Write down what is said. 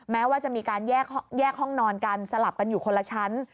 แม้ว่าจะมีการแยกห้องนอนกันสลับกันอยู่คนละชั้น